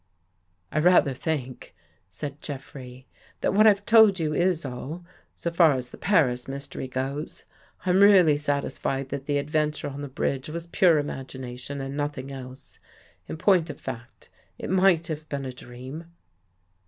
" I rather think," said Jeffrey, " that what I've told you is all, so far as the Paris mystery goes. I'm really satisfied that the adventure on the bridge was pure imagination and nothing else. In point of fact, it might have been a dream."